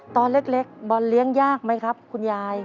ตอนเล็กบอลเลี้ยงยากไหมครับคุณยาย